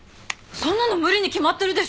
そんなの無理に決まってるでしょ。